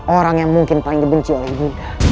orang yang mungkin paling dibenci oleh buddha